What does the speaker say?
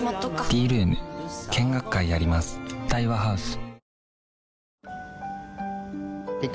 見学会やります